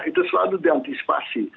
itu selalu diantisipasi